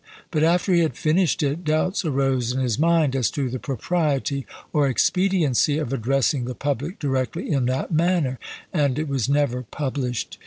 But, after he had finished it, doubts arose in his mind as to the propriety or expediency of addressing the public directly in that manner, and it was never published.